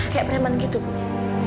kayak premen gitu bu